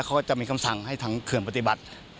เขาก็จะมีคำสั่งให้ทางเขื่อนปฏิบัติ